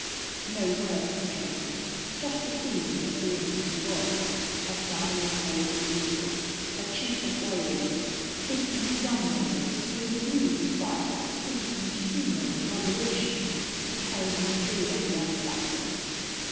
No words came, just the feeling of being what he was, a dying old eagle, a chief of warriors, speaking to young warriors who would need advice of seasoned humor and moderation to carry them through their young battles.